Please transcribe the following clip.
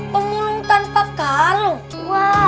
pembulung tanpa beschal